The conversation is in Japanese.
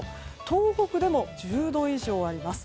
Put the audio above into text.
東北でも１０度以上あります。